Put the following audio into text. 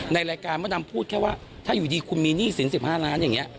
ในรายการมดำพูดแค่ว่าถ้าอยู่ดีคุณมีหนี้สิน๑๕ล้านอย่างนี้